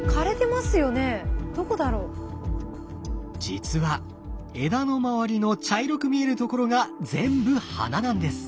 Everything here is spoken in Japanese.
実は枝の周りの茶色く見えるところが全部花なんです。